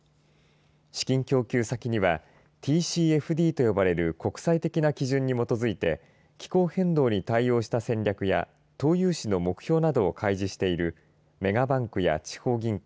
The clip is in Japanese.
資金供給先にはＴＣＦＤと呼ばれる国際的な基準に基づいて気候変動に対応した戦略や投融資の目標などを開示しているメガバンクや地方銀行